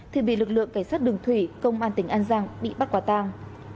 thì bị lực lượng cảnh sát đường thủy công an tỉnh an giang bị bắt quả tang